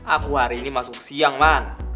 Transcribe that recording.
aku hari ini masuk siang man